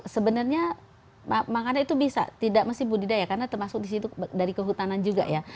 sebenarnya makanan itu bisa tidak mesti budidaya karena termasuk di situ dari kehutanan juga ya